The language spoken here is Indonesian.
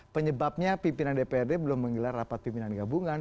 penyebabnya pimpinan dprd belum menggelar rapat pimpinan gabungan